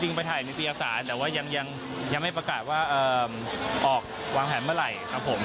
ไปถ่ายนิตยสารแต่ว่ายังไม่ประกาศว่าออกวางแผนเมื่อไหร่ครับผม